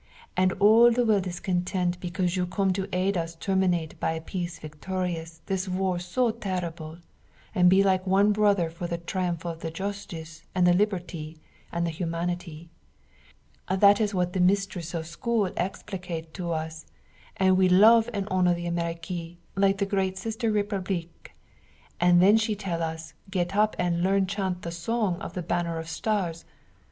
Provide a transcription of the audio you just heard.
And all the world is content because you come to aid us terminate by a peace victorious this war so terrible, and be like one brother for the triumph of the Justice, and the Liberty, and the Humanity. That is what the mistress of school explicate to us, and we love and honor the Amerique like the great sister Republique, and then she tell us get up and learn chant the song of the Banner of Stars.